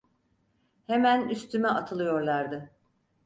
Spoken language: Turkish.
Hemen üstüme atılıyorlardı.